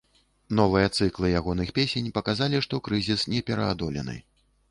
Новыя цыклы ягоных песень паказалі, што крызіс не пераадолены.